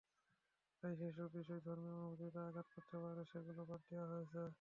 তাই যেসব বিষয় ধর্মীয় অনুভূতিতে আঘাত করতে পারে সেগুলো বাদ দেওয়া হয়েছে।